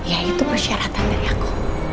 ya itu persyaratan dari aku